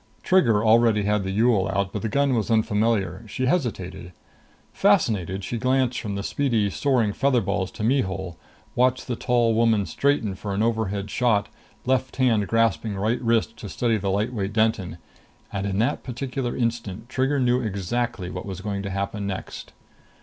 Trigger already had the Yool out, but the gun was unfamiliar; she hesitated. Fascinated, she glanced from the speeding, soaring feather balls to Mihul, watched the tall woman straighten for an overhead shot, left hand grasping right wrist to steady the lightweight Denton and in that particular instant Trigger knew exactly what was going to happen next.